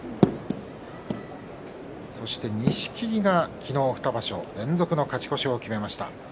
そして錦木が昨日２場所連続の勝ち越しを決めました。